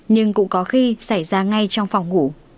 nhưng cũng có khi xảy ra ngay trong phòng ngủ